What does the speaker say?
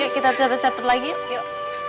yuk kita catet catet lagi yuk